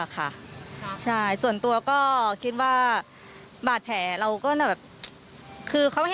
ครับค่ะ